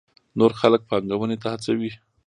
نور خلک پانګونې ته هڅوي.